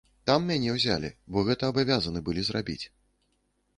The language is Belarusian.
Там мяне ўзялі, бо гэта абавязаны былі зрабіць.